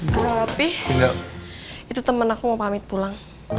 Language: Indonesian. tapi itu teman aku mau pamit pulang